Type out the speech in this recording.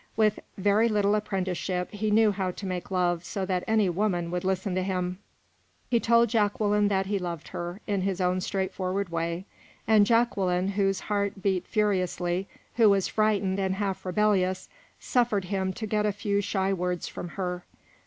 With very little apprenticeship, he knew how to make love so that any woman would listen to him. He told Jacqueline that he loved her, in his own straightforward way; and Jacqueline, whose heart beat furiously, who was frightened and half rebellious, suffered him to get a few shy words from her.